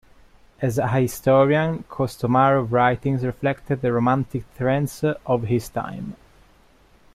As a historian, Kostomarov's writings reflected the romantic trends of his time.